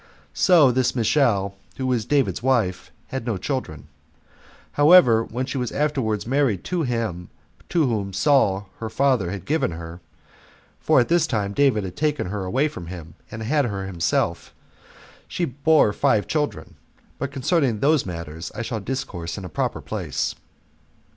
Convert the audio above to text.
So this Michal, who was David's wife, had no children; however, when she was afterward married to him to whom Saul her father had given her, [for at this time David had taken her away from him, and had her himself,] she bare five children. But concerning those matters I shall discourse in a proper place.